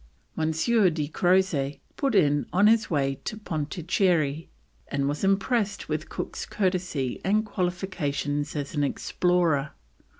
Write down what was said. M. de Crozet put in on his way to Pondicherry, and was impressed with Cook's courtesy and qualifications as an explorer.